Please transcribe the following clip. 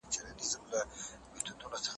سیاسي ګوندونه له تاريخه انګېزه اخلي.